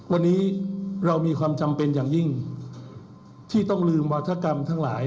วันนี้เรามีความจำเป็นอย่างยิ่งที่ต้องลืมวาธกรรมทั้งหลาย